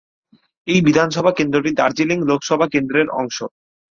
এই বিধানসভা কেন্দ্রটি দার্জিলিং লোকসভা কেন্দ্রের অংশ।